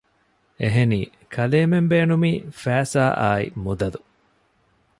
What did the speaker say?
އެހެނީ ކަލޭމެން ބޭނުމީ ފައިސާ އާއި މުދަލު